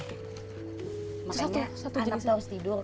makanya anaknya harus tidur